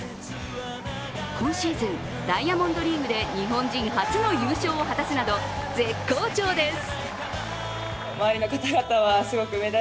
今シーズン、ダイヤモンドリーグで日本人初の優勝を果たすなど絶好調です。